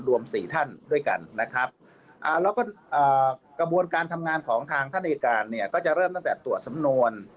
แล้วก็กระบวนการทำงานของทางท่านเอการเนี่ยก็จะเริ่มตั้งแต่ตรวจสำนวน